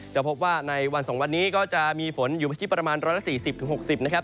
จะพบว่าในวัน๒วันนี้ก็จะมีฝนอยู่ที่ประมาณ๑๔๐๖๐นะครับ